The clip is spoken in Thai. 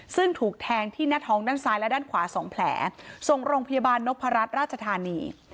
ซึ่งถูกแทงที่หน้าท้องด้านซ้ายและด้านขวา๒แผลส่งโรงพยาบาลนพรัชราชธานี